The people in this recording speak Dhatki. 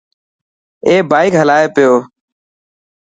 اي بائڪ هلائي پيو.